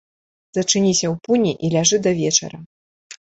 Зачыніся ў пуні і ляжы да вечара.